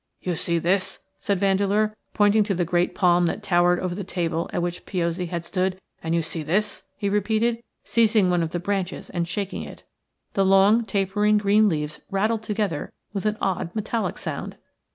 "You see this," said Vandeleur, pointing to the great palm that towered over the table at which Piozzi had stood. "And you see this," he repeated, seizing one of the branches and shaking it. The long, tapering, green leaves rattled together with an odd metallic sound.